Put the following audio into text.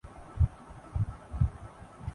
ایک چسپ اور چونکا د والا انکشاف ہے